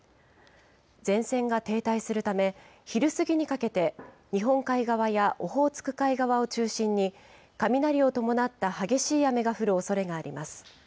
前線が停滞するため、昼過ぎにかけて日本海側やオホーツク海側を中心に、雷を伴った激しい雨が降るおそれがあります。